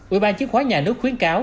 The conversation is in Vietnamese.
ủy ban chứng khoán nhà nước khuyến cáo